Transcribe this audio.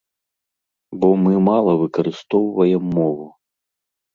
Бо мы мала выкарыстоўваем мову.